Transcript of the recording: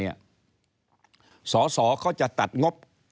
ก็จะมาจับทำเป็นพรบงบประมาณ